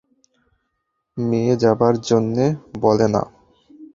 মেয়ে যাবার জন্যে বলে না?